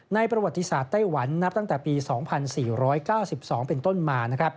ประวัติศาสตร์ไต้หวันนับตั้งแต่ปี๒๔๙๒เป็นต้นมา